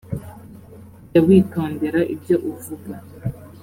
jya witondera ibyo uvuga